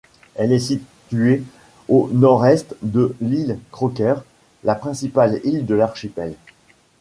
Elle est située au nord-est de l'île Croker, la principale île de l'archipel.